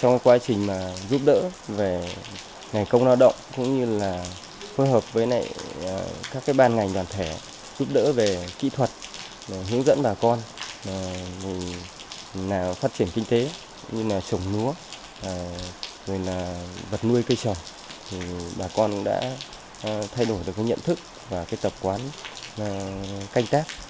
trong quá trình giúp đỡ về nghề công lao động cũng như phối hợp với các ban ngành đoàn thể giúp đỡ về kỹ thuật hướng dẫn bà con phát triển kinh tế trồng lúa vật nuôi cây trồng bà con đã thay đổi được nhận thức và tập quán canh tác